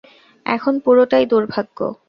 এখন পুরোটাই দুর্ভাগ্য।